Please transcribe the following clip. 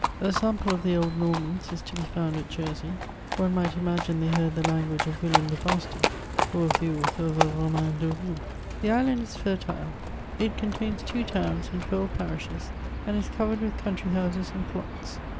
A sample of the old Normans is to be foimd at Jersey ; one might imagine they heard the lan guage of William the Bastard, or of the author of the Roman de Rou, The island is fertile; it contains two towns and twelre parishes, and is covered with country houses and flocks.